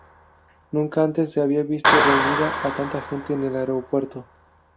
Nunca antes se había visto reunida a tanta gente en el aeropuerto.